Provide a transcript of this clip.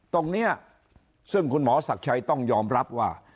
ตรงนี้ซึ่งคุณหมอศักดิ์ชัยต้องยอมรับว่า